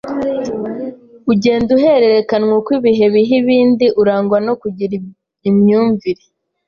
ugenda uhererekanwa uko ibihe biha ibindi urangwa no kugira imyumvire